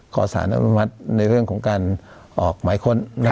ขอสารอนุมัติในเรื่องของการออกหมายค้น